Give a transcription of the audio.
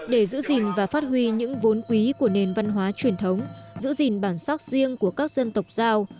để giữ gìn và phát huy những vốn quý của nền văn hóa truyền thống giữ gìn bản sắc riêng của các dân tộc giao